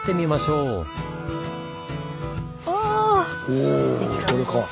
おこれか。